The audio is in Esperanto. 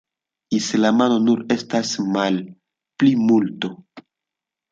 Islamanoj nur estas malplimulto.